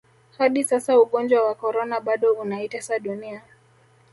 hadi sasa ugonjwa wa Corona bado unaitesa dunia